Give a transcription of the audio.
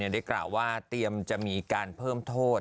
ได้กล่าวว่าเตรียมจะมีการเพิ่มโทษ